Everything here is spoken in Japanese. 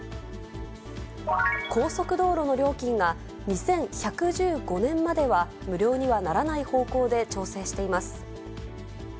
高速道路の料金が、２１１５年までは無料にはならない方向で調整しています。